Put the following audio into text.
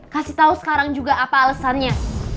kasih tau sekarang juga apa alesannya